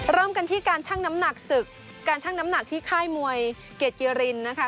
เริ่มกันที่การชั่งน้ำหนักศึกการชั่งน้ำหนักที่ค่ายมวยเกียรติรินนะคะ